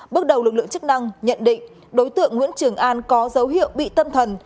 bước đầu lực lượng chức năng nhận định đối tượng nguyễn trường an có dấu hiệu bị tâm thần